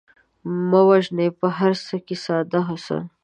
مه وژنئ په هر څه کې ساده حسن